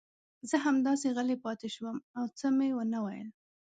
زه همداسې غلی پاتې شوم او څه مې ونه ویل.